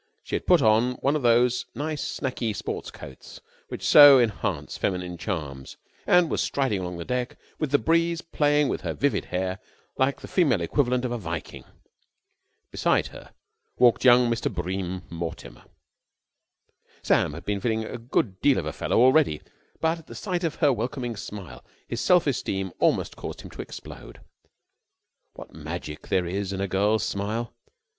She had put on one of these nice sacky sport coats which so enhance feminine charms, and was striding along the deck with the breeze playing in her vivid hair like the female equivalent of a Viking. Beside her walked young Mr. Bream Mortimer. Sam had been feeling a good deal of a fellow already, but at the sight of her welcoming smile his self esteem almost caused him to explode. What magic there is in a girl's smile!